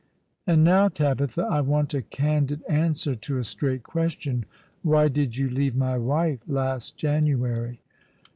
''And now, Tabitha, I want a candid answer to a straight question. Why did you leave my wife last January